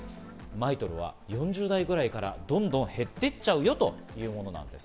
ＭＩＴＯＬは４０代くらいからどんどん減っていっちゃうよというものなんです。